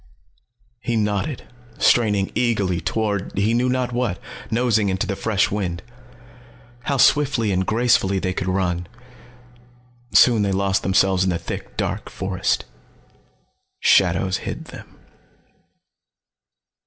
He nodded, straining eagerly toward he knew not what, nosing into the fresh wind. How swiftly and gracefully they could run. Soon they lost themselves in the thick dark forest. Shadows hid them.